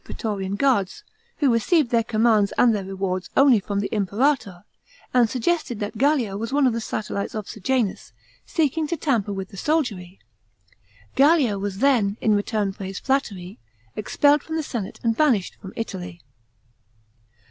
praetorian guards, who received their commands and their rewards only from the Imperator ; and suggested that Gallic was one of the satellites of Sejanus, seeking to tamper with the soldiery. Gallic was then, in return for his flattery, expelled from the senate and banished from Italy.